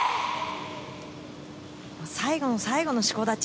最後の最後のしこ立ち。